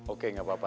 oke gak apa apa